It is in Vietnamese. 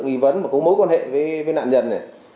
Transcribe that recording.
nghĩ vấn và có mối quan hệ với nạn nhân